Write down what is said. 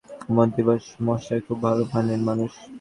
মন্ত্রী মশাই খুব ভালো মনের মানুষ।